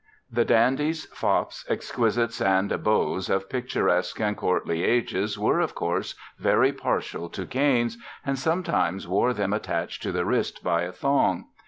The dandies, fops, exquisites, and beaux of picturesque and courtly ages were, of course, very partial to canes, and sometimes wore them attached to the wrist by a thong.